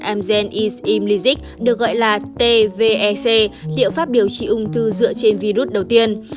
amgen is imlisic được gọi là tvec liệu pháp điều trị ung thư dựa trên virus đầu tiên